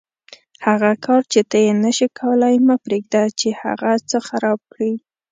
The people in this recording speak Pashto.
هغه کار چې ته یې نشې کولای مه پرېږده چې هغه څه خراب کړي.